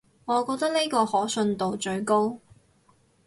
我覺得呢個可信度最高